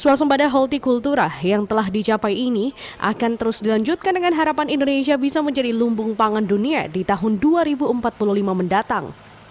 suasembada holti kultura yang telah dicapai ini akan terus dilanjutkan dengan harapan indonesia bisa menjadi lumbung pangan dunia di tahun dua ribu empat puluh lima mendatang